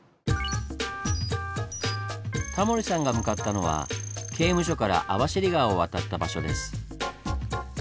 タモリさんが向かったのは刑務所から網走川を渡った場所です。